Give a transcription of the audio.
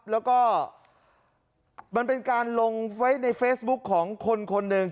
แล้วก็มันเป็นการลงไว้ในเฟซบุ๊คของคนคนหนึ่ง